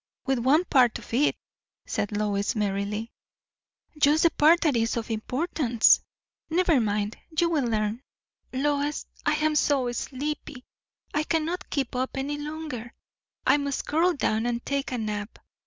"With one part of it," said Lois merrily. "Just the part that is of importance. Never mind, you will learn. Lois, I am so sleepy, I can not keep up any longer. I must curl down and take a nap.